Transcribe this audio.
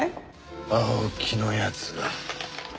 青木の奴が。